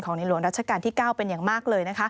ในหลวงรัชกาลที่๙เป็นอย่างมากเลย